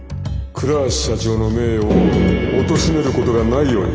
倉橋社長の名誉をおとしめることがないように。